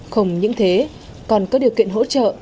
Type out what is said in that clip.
không những thế còn có điều kiện hỗ trợ